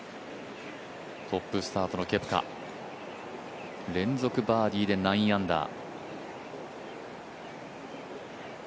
トップスタートのケプカ、連続バーディーで９アンダー。